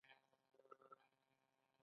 ازادي د افغانانو فطري حق دی.